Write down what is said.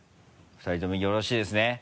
２人ともよろしいですね？